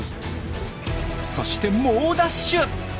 そして猛ダッシュ！